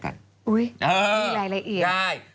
ไม่มีรายละเอียด